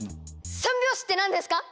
３拍子って何ですか？